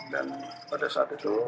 dan pada saat itu